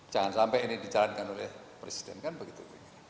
jangan sampai ini dijalankan oleh presiden kan begitu